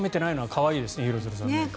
可愛いですね。